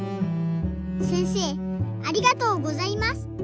せんせいありがとうございます。